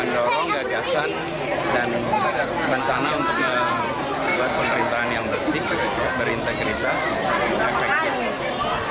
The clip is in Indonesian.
mendorong gagasan dan rencana untuk membuat pemerintahan yang bersih berintegritas efektif